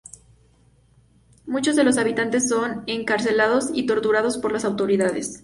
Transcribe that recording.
Muchos de los habitantes son encarcelados y torturados por las autoridades.